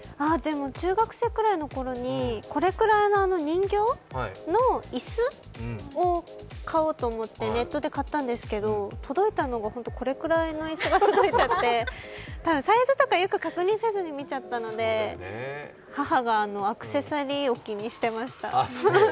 中学生くらいのころにこれくらいの人形の椅子を買おうと思ってネットで買ったんですけど、届いたときにこのくらいの椅子が届いちゃって多分、サイズとかよく確認せずに見ちゃったので、母がアクセス利用を気にしてました。